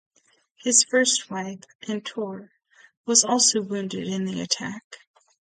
His first wife, Atour, was also wounded in the attack.